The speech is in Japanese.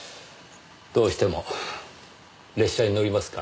どうしても列車に乗りますか？